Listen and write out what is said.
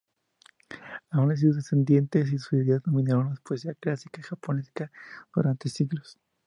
Aun así sus descendientes y sus ideas dominaron la poesía clásica japonesa durante siglos.